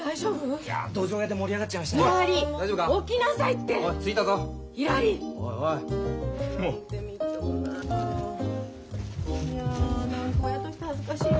いや何か親として恥ずかしいわ。